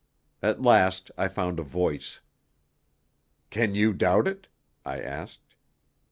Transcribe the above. At last I found a voice. "Can you doubt it?" I asked.